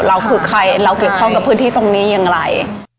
คือใครเราเกี่ยวข้องกับพื้นที่ตรงนี้อย่างไร